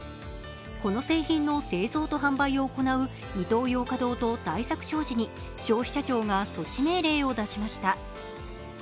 この製品の製造を販売を行うイトーヨーカ堂と大作商事に消費者庁が措置命令を出しました。